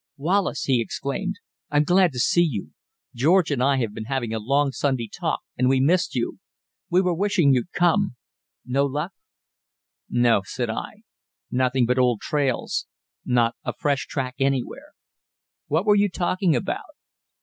"Wallace," he exclaimed, "I'm glad to see you! George and I have been having a long Sunday talk and we missed you. We were wishing you'd come. No luck?" "No," said I; "nothing but old trails; not a fresh track anywhere. What were you talking about?"